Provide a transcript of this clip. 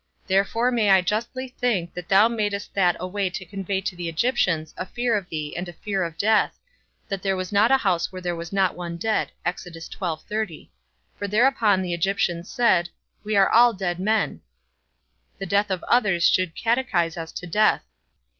Therefore may I justly think, that thou madest that a way to convey to the Egyptians a fear of thee and a fear of death, that there was not a house where there was not one dead; for thereupon the Egyptians said, We are all dead men: the death of others should catechise us to death.